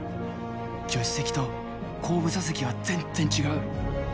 助手席と後部座席は全然違う。